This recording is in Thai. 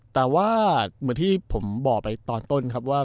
แต่ว่าเหมือนที่ผมบอกไปตอนต้นครับว่า